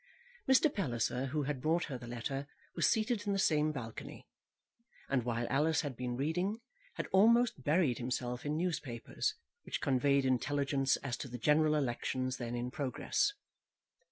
Mr. Palliser, who had brought her the letter, was seated in the same balcony, and while Alice had been reading, had almost buried himself in newspapers which conveyed intelligence as to the general elections then in progress.